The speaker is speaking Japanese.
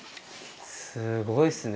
すごいっすね。